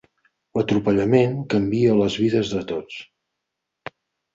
L'atropellament canvia les vides de tots.